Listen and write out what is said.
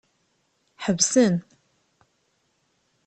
Ḥebsen.